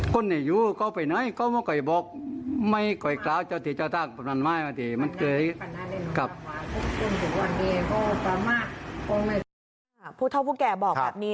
พูดท่าวหัวแก่บอกแบบนี้